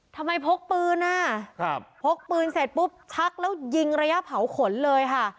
พกปืนอ่ะครับพกปืนเสร็จปุ๊บชักแล้วยิงระยะเผาขนเลยค่ะ